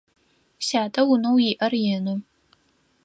Сятэ унэу иӏэр ины.